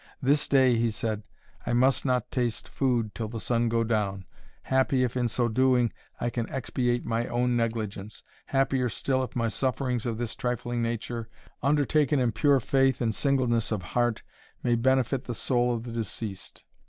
"This day," he said, "I must not taste food until the sun go down, happy if, in so doing, I can expiate my own negligence happier still, if my sufferings of this trifling nature, undertaken in pure faith and singleness of heart, may benefit the soul of the deceased.